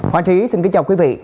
hoàng trí xin kính chào quý vị